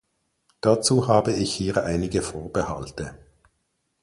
Dazu habe ich hier einige Vorbehalte.